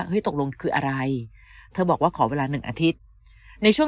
ตกลงคืออะไรเธอบอกว่าขอเวลาหนึ่งอาทิตย์ในช่วง